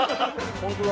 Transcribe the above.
本当だ。